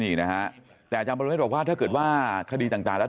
นี่นะฮะแต่อาจารย์ประเวทบอกว่าถ้าเกิดว่าคดีต่างแล้ว